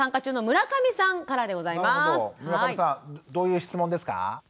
村上さんどういう質問ですか？